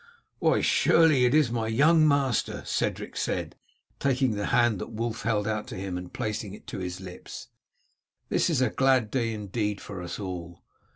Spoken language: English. "Why, surely it is my young master," Cedric said, taking the hand that Wulf held out to him and placing it to his lips; "this is a glad day indeed for us all.